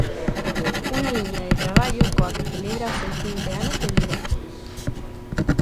Unha liña de traballo coa que celebra os seus vinte anos de vida.